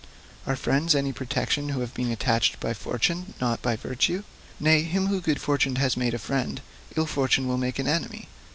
Are friends any protection who have been attached by fortune, not by virtue? Nay; him whom good fortune has made a friend, ill fortune will make an enemy.